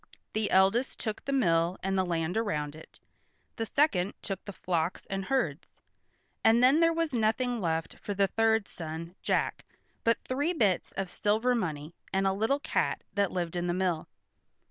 The eldest took the mill and the land around it; the second took the flocks and herds, and then there was nothing left for the third son, Jack, but three bits of silver money, and a little cat that lived in the mill.